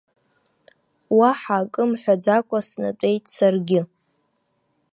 Уаҳа акы мҳәаӡакәа, снатәеит саргьы.